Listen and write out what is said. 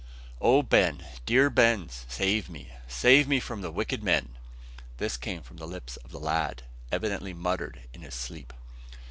"O Ben! dear Ben! save me, save me from the wicked men!" This came from the lips of the lad, evidently muttered in his sleep.